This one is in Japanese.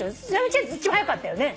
一番早かったよね？